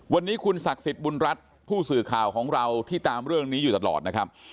วันนี้คุณศักดิ์สิทธิ์บุญรัฐผู้สื่อข่าวของเราที่ตามเรื่องนี้อยู่ตลอดนะครับ